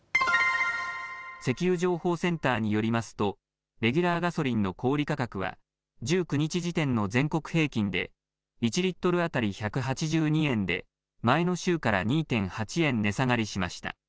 石油情報センターによりますと、レギュラーガソリンの小売り価格は、１９日時点の全国平均で、１リットル当たり１８２円で、前の週から２．８円値下がりしました。